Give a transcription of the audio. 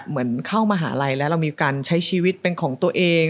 เหมือนเข้ามหาลัยแล้วเรามีการใช้ชีวิตเป็นของตัวเอง